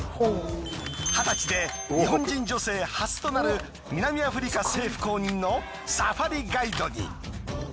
二十歳で日本人女性初となる南アフリカ政府公認のサファリガイドに。